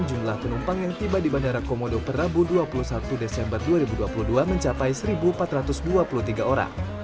jumlah penumpang yang tiba di bandara komodo perabu dua puluh satu desember dua ribu dua puluh dua mencapai satu empat ratus dua puluh tiga orang